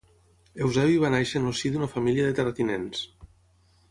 Eusebi va néixer en el si d'una família de terratinents.